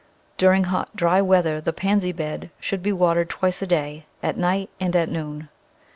During hot, dry weather the Pansy bed should be watered twice a day — at night and at noon.